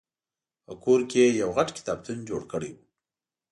په کور کې یې یو غټ کتابتون جوړ کړی و.